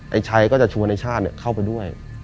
ไอ้ชัยก็จะชวนไอ้ชาดเนี่ยเข้าไปด้วย